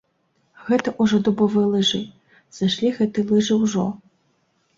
Гэта ўжо дубовыя лыжы, сышлі гэтыя лыжы ўжо.